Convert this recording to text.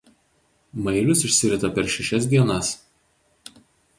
Mailius išsirita per šešias dienas.